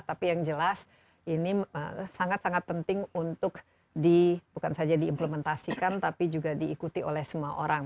tapi yang jelas ini sangat sangat penting untuk di bukan saja diimplementasikan tapi juga diikuti oleh semua orang